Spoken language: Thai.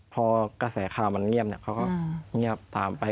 พอกระแสข่าวมันเงียบเขาก็เงียบตามไป